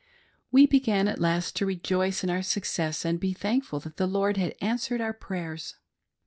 We began at last to rejoice n our success and to be, thankful that the Lord had answered 5ur prayers.